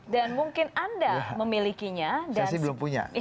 dan mungkin anda memilikinya saya sih belum punya